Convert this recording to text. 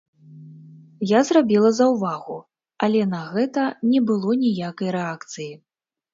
Я зрабіла заўвагу, але на гэта не было ніякай рэакцыі.